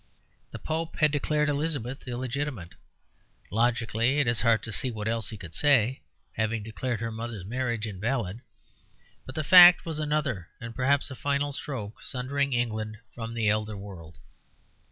The Pope had declared Elizabeth illegitimate logically, it is hard to see what else he could say, having declared her mother's marriage invalid; but the fact was another and perhaps a final stroke sundering England from the elder world.